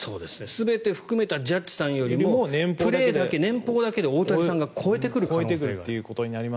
全て含めたジャッジさんよりもプレーだけ、年俸だけで大谷さんが超えてくるという可能性がある。